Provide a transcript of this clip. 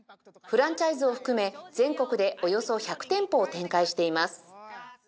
フランチャイズを含め全国でおよそ１００店舗を展開しています